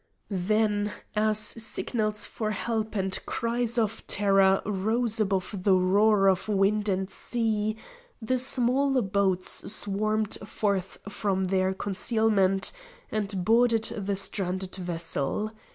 Then, as signals for help and cries of terror rose above the roar of wind and sea, the small boats swarmed forth from their concealment and boarded the stranded vessel.